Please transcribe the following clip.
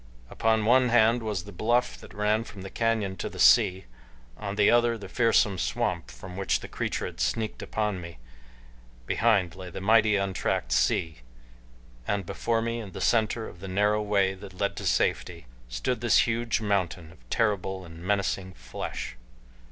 Upon one hand was the bluff that ran from the canyon to the sea, on the other the fearsome swamp from which the creature had sneaked upon me, behind lay the mighty untracked sea, and before me in the center of the narrow way that led to safety stood this huge mountain of terrible and menacing flesh.